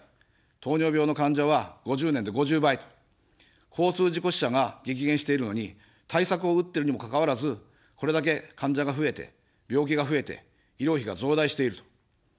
糖尿病の患者は５０年で５０倍と、交通事故死者が激減しているのに、対策を打ってるにもかかわらず、これだけ患者が増えて、病気が増えて、医療費が増大していると。